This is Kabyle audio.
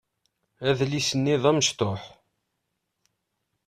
Adlis-nni d amecṭuḥ.